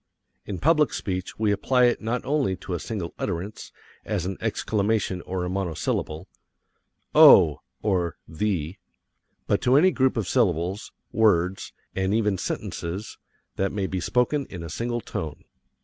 In public speech we apply it not only to a single utterance, as an exclamation or a monosyllable (Oh! or the) but to any group of syllables, words, and even sentences that may be spoken in a single tone.